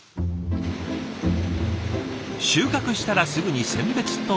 収穫したらすぐに選別と洗浄。